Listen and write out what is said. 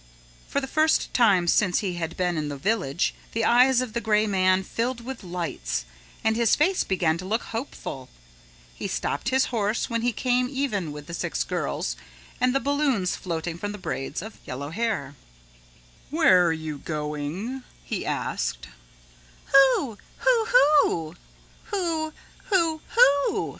For the first time since he had been in the Village, the eyes of the Gray Man filled with lights and his face began to look hopeful. He stopped his horse when he came even with the six girls and the balloons floating from the braids of yellow hair. "Where you going?" he asked. "Who hoo hoo? Who who who?"